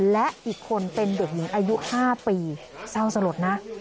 และอีกคนเป็นเด็กหญิงอายุ๕ปีเศร้าสลดนะ